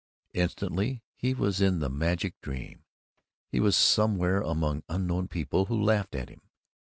Instantly he was in the magic dream. He was somewhere among unknown people who laughed at him.